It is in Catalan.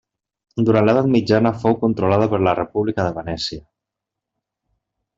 Durant l'edat mitjana, fou controlada per la República de Venècia.